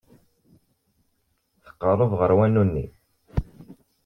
Tqerreb ɣer wanu-nni.